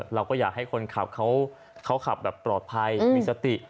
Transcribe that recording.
เราก็อยากให้คนขับเขาขับแบบปลอดภัยมีสติ